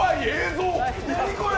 何これ！